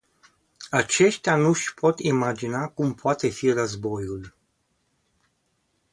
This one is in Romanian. Aceștia nu-și pot imagina cum poate fi războiul.